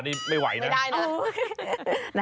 ไม่ไหวนะนะครับไม่ได้นะ